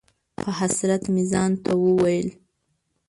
په حسرت مې ځان ته وویل: